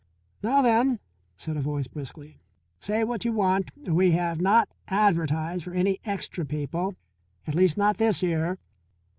"Now, then," said a voice briskly. "Say what you want. We have not advertised for any extra people. At least not this year."